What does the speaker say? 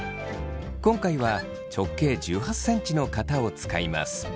今回は直径１８ｃｍの型を使います。